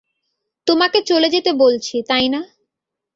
তোমাকে চলে যেতে বলছি, তাই না?